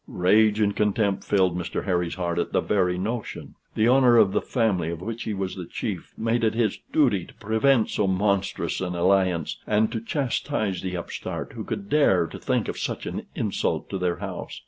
Rage and contempt filled Mr. Harry's heart at the very notion; the honor of the family, of which he was the chief, made it his duty to prevent so monstrous an alliance, and to chastise the upstart who could dare to think of such an insult to their house.